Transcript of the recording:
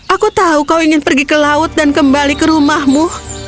aku tahu kau ingin pergi ke laut dan kembali ke rumahmu